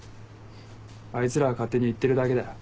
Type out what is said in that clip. あいつらが勝手に言ってるだけだよ。